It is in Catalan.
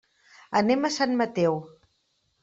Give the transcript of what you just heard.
Anem a Sant Mateu.